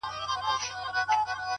د ځناورو په خوني ځنگل کي ـ